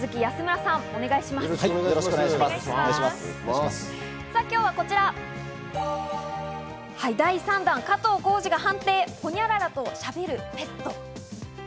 さぁ、今日はこちら第３弾、加藤浩次が判定、ホニャララとしゃべるペット。